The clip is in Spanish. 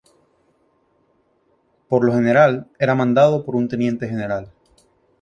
Por lo general era mandado por un teniente general.